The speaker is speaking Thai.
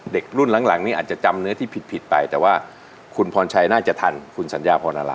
เด็กรุ่นหลังนี้อาจจะจำเนื้อที่ผิดไปแต่ว่าคุณพรชัยน่าจะทันคุณสัญญาพรอะไร